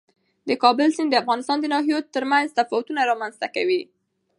د کابل سیند د افغانستان د ناحیو ترمنځ تفاوتونه رامنځته کوي.